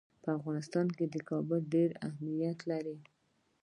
په افغانستان کې کابل ډېر اهمیت لري.